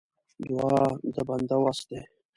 دعا د بنده وس دی.